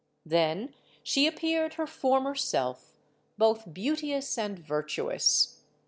Then she appeared her former self, both beauteous and virtuous.